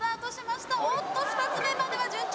おっと２つ目までは順調。